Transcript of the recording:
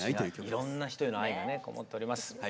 いろんな人への愛がねこもっております。